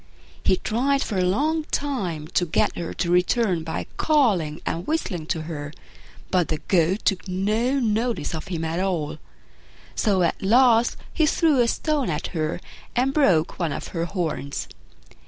He tried for a long time to get her to return by calling and whistling to her, but the Goat took no notice of him at all; so at last he threw a stone at her and broke one of her horns.